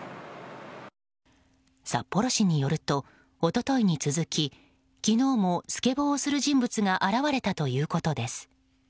札幌市によると一昨日に続き昨日も、スケボーをする人物が現れたということです。